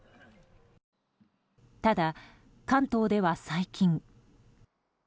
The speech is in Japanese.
ただ、関東では最近。